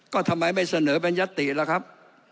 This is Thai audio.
ก็ทำไมไม่เสนอเป็นยัตติล่ะครับ